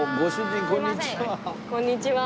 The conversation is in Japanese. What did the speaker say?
こんにちは。